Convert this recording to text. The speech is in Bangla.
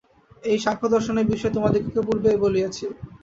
এই সাংখ্যদর্শনের বিষয় তোমাদিগকে পূর্বেই বলিয়াছি।